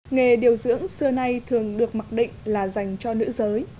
nghề điều dưỡng xưa nay thường được mặc định là dành cho nữ giới